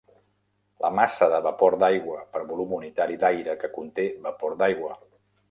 La massa de vapor d"aigua per volum unitari d"aire que conté vapor d"aigua.